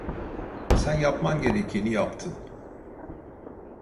Sen yapman gerekeni yaptın.